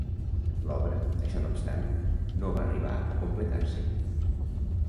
L'obra, això no obstant, no va arribar a completar-se.